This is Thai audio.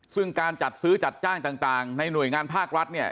ซึ่งการจัดซื้อจัดจ้างต่างในหน่วยงานภาครัฐเนี่ย